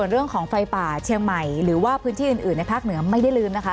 เรื่องของไฟป่าเชียงใหม่หรือว่าพื้นที่อื่นในภาคเหนือไม่ได้ลืมนะคะ